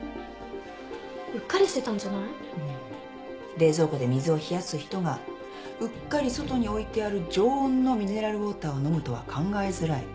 冷蔵庫で水を冷やす人がうっかり外に置いてある常温のミネラルウオーターを飲むとは考えづらい。